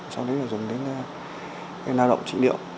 sau đấy là dùng đến cái nao động trị liệu